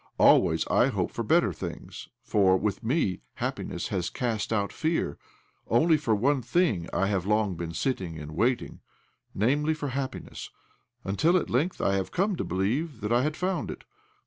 Always I hope for better things, for, with me, happiness has cast out fear. Only for one thing have I long been sitting and waiting — namely, for happiness ; until at length I had come to believe that I had found it.